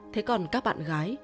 thế còn các bạn gái